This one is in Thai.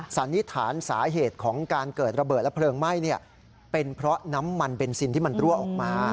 สันนิษฐานสาเหตุของการเกิดระเบิดและเพลิงไหม้เป็นเพราะน้ำมันเบนซินที่มันรั่วออกมา